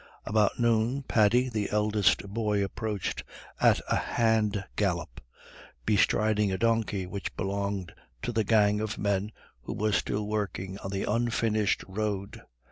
About noon, Paddy, the eldest boy, approached at a hand gallop, bestriding a donkey which belonged to the gang of men who were still working on the unfinished road.